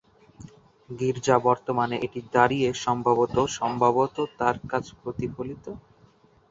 গির্জা বর্তমানে এটি দাঁড়িয়ে সম্ভবত সম্ভবত তার কাজ প্রতিফলিত।